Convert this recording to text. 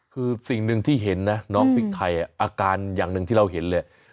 คือสิ่งหนึ่งที่เห็นนะน้องพริกไทยอาการอย่างหนึ่งที่เราเห็นเลย